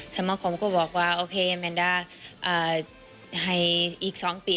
สมาคมก็บอกว่าโอเคแมนดาให้อีก๒ปี